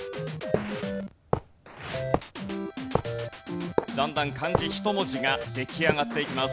だんだん漢字１文字が出来上がっていきます。